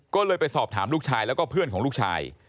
ก็เลยไปสอบถามลูกชายแล้วก็เพื่อนของลูกชาย